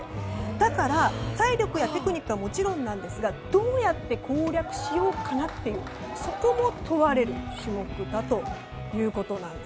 だから体力やテクニックはもちろんなんですがどうやって攻略しようかなというそこも問われる種目だということなんです。